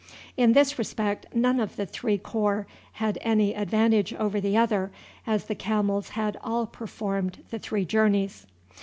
In this respect none of the three corps had any advantage over the other, as the camels had all performed the three journeys.